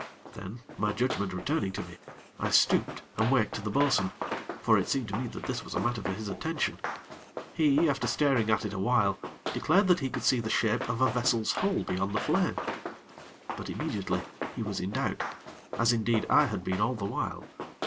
Then, my judgment returning to me, I stooped and waked the bo'sun; for it seemed to me that this was a matter for his attention. He, after staring at it awhile, declared that he could see the shape of a vessel's hull beyond the flame; but, immediately, he was in doubt, as, indeed, I had been all the while.